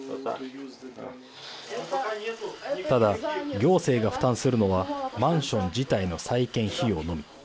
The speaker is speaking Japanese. ただ、行政が負担するのはマンション自体の再建費用のみ。